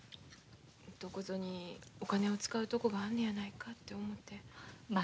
どこぞにお金を使うとこがあるのやないかて思て。